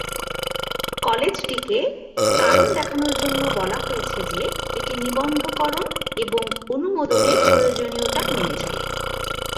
কলেজটিকে কারণ দেখানোর জন্য বলা হয়েছে যে এটি "নিবন্ধকরণ এবং অনুমোদনের প্রয়োজনীয়তা মেনে চলে"।